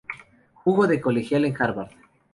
Jugo de colegial en Harvard.